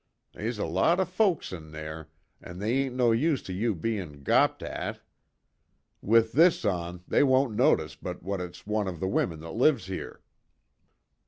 They's a lot of folks in there, an' they ain't no use of you bein' gopped at. With this on, they won't notice but what it's one of the women that lives here."